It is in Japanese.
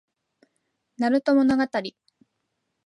なると物語